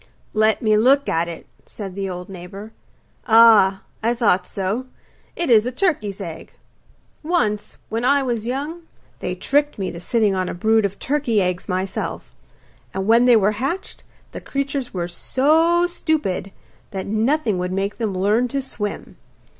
'Let me look at it,' said the old neighbour. 'Ah, I thought so; it is a turkey's egg. Once, when I was young, they tricked me to sitting on a brood of turkey's eggs myself, and when they were hatched the creatures were so stupid that nothing would make them learn to swim.